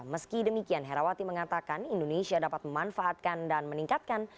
meski demikian herawati mengatakan indonesia dapat memanfaatkan dan meningkatkan